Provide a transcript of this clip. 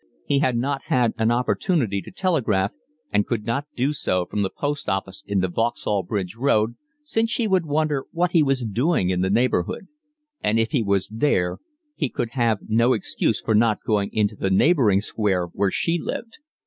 He had not had an opportunity to telegraph and could not do so from the post office in the Vauxhall Bridge Road, since she would wonder what he was doing in that neighbourhood; and if he was there he could have no excuse for not going into the neighbouring square where she lived.